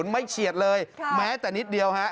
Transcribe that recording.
เฉียดเลยแม้แต่นิดเดียวฮะ